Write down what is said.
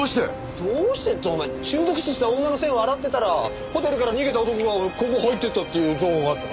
どうしてってお前中毒死した女の線を洗ってたらホテルから逃げた男がここ入ってったっていう情報があったから。